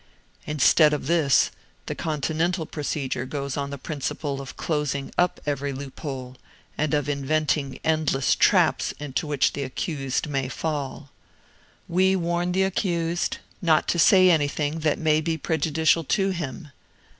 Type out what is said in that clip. Instead of this, the Continental procedure goes on the principle of closing up every loophole, and of inventing endless traps into which the accused may fall. We warn the accused not to say anything that may be prejudicial to him.